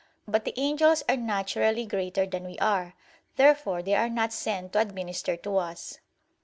But the angels are naturally greater than we are. Therefore they are not sent to administer to us.